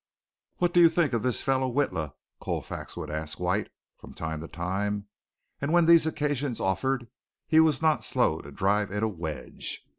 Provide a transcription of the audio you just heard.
"What do you think of this fellow Witla?" Colfax would ask White from time to time, and when these occasions offered he was not slow to drive in a wedge.